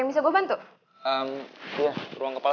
mau tau kenapa